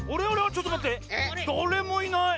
ちょっとまってだれもいない！